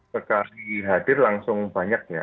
sekali hadir langsung banyak ya